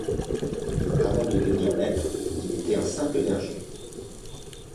Avant de devenir maître, il était un simple berger.